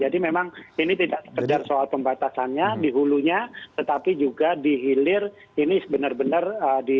jadi memang ini tidak sekedar soal pembatasannya dihulunya tetapi juga dihilir ini sebenar benar diperhatikan